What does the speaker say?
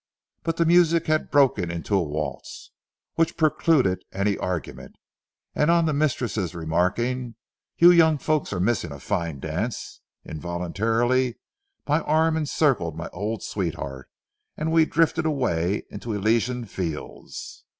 But the music had broken into a waltz, which precluded any argument, and on the mistress remarking "You young folks are missing a fine dance," involuntarily my arm encircled my old sweetheart, and we drifted away into elysian fields.